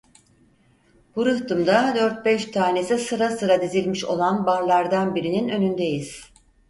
Bu rıhtımda dört beş tanesi sıra sıra dizilmiş olan barlardan birinin önündeyiz.